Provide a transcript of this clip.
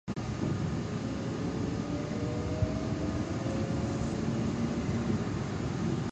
アストゥリアス州の州都はオビエドである